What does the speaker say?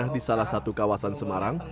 di salah satu kawasan semarang